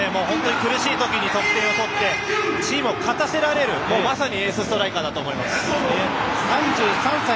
苦しい時こそ得点を取ってチームを勝たせられるエースストライカーだと思います。